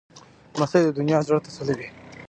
لمسی د نیا زړه تسلوي.